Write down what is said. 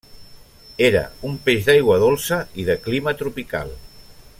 Era un peix d'aigua dolça i de clima tropical.